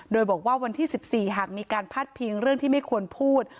โดยบอกว่าวันที่๑๔หากมีการพาดพิงเรื่องที่ไม่ควรพูด